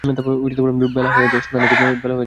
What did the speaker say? বেলা হইয়া যায়, স্নানে গেল না।